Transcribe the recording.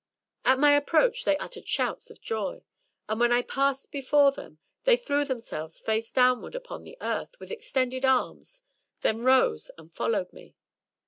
At my approach they uttered shouts of joy; and when I passed before them they threw themselves, face downward, upon the earth, with extended arms, then rose and followed me.